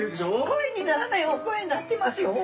声にならないお声になってますよ。